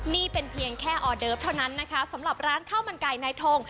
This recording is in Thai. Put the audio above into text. นี่เป็นเพียงแค่ออเดิฟเท่านั้นนะคะสำหรับร้านข้าวมันไก่นายทง